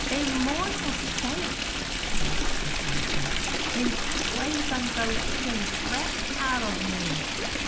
"Immortial Saints!" gasped the sergeant, "he's squazin' the livin' breath out uv me.